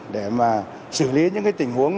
để xử lý những tình huống